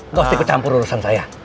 nostik kecampur urusan saya